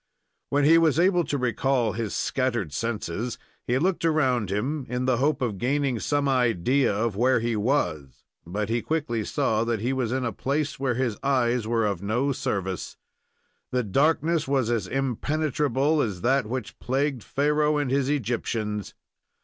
When he was able to recall his scattered senses, he looked around him in the hope of gaining some idea of where he was; but he quickly saw that he was in a place where his eyes were of no service. The darkness was as impenetrable as that which plagued Pharoah and his Egyptians.